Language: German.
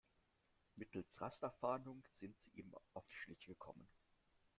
Mittels Rasterfahndung sind sie ihm auf die Schliche gekommen.